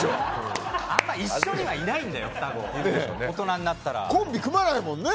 あまり一緒にはいないんだよ、双子大人になったら。